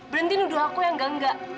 berhenti nuduh aku yang enggak enggak